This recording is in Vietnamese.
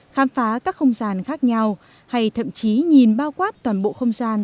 khám phá các không gian khác nhau hay thậm chí nhìn bao quát toàn bộ không gian